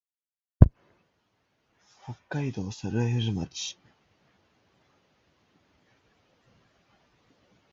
北海道猿払村